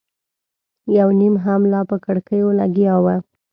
یو نيم هم لا په کړکيو لګیا و.